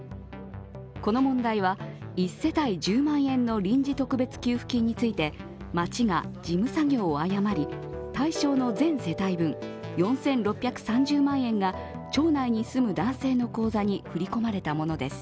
この問題は、１世帯１０万円の臨時特別給付金について町が事務作業を誤り、対象の全世帯分４６３０万円が町内に住む男性の口座に振り込まれたものです。